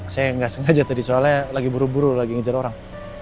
saya nggak sengaja tadi soalnya lagi buru buru lagi ngejar orang